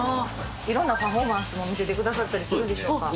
いろんなパフォーマンスも見せてくださったりするんでしょう